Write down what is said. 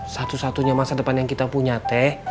satu satunya masa depan yang kita punya teh